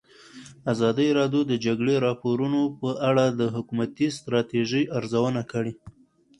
ازادي راډیو د د جګړې راپورونه په اړه د حکومتي ستراتیژۍ ارزونه کړې.